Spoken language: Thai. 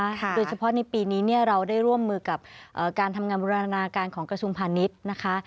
โดยเฉพาะในปีนี้เนี่ยเราได้ร่วมมือกับการทำงานบุรณาการของกระทรวงพาณิชย์นะคะ